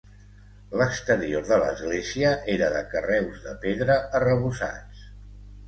L'exterior de l'església era de carreus de pedra arrebossats.